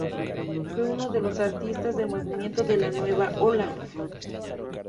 Fue uno de los artistas del movimiento de la Nueva ola.